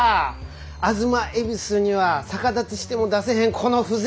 東夷には逆立ちしても出せへんこの風情。